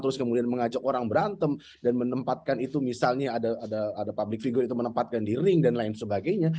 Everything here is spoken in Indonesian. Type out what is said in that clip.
terus kemudian mengajak orang berantem dan menempatkan itu misalnya ada public figure itu menempatkan di ring dan lain sebagainya